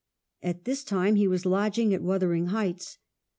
At this time he was lodging at Wuthering Heights.